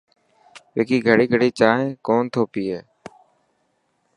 وڪي گڙي گڙي جائين ڪونه ٿو پئي.